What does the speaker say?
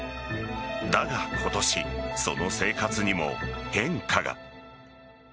だが、今年その生活にも変化が。